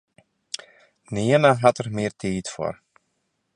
Nearne hat er mear tiid foar.